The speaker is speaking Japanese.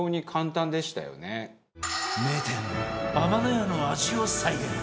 名店天のやの味を再現！